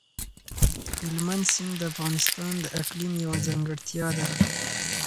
هلمند سیند د افغانستان د اقلیم یوه ځانګړتیا ده.